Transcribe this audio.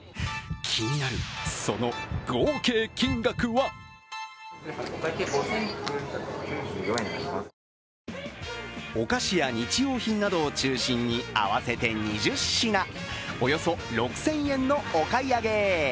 気になるその合計金額はお菓子や日用品などを中心に合わせて２０品、およそ６０００円のお買い上げ。